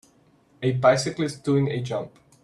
A bicyclist doing a jump.